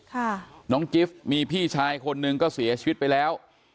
ค่ะน้องกิฟต์มีพี่ชายคนหนึ่งก็เสียชีวิตไปแล้ว